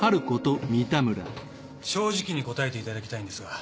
正直に答えていただきたいんですが。